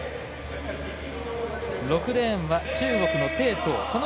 ６レーンは中国の鄭濤。